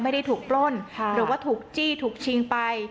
ไม่ได้ถูกปล้นหรือว่าถูกจี้ถูกชิงไป